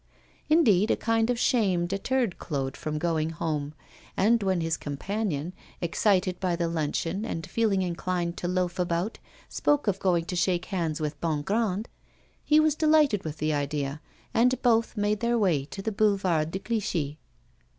Indeed, a kind of shame deterred Claude from going home, and when his companion, excited by the luncheon and feeling inclined to loaf about, spoke of going to shake hands with Bongrand, he was delighted with the idea, and both made their way to the Boulevard de Clichy.